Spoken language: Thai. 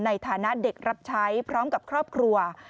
ในฐานะเด็กรับใช้พร้อมกับครอบครัว